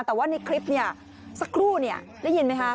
แต่ว่าในคลิปเนี่ยสักครู่ได้ยินไหมคะ